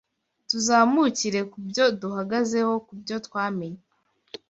Tuzamukira ku byo duhagazeho Kubyo twamenye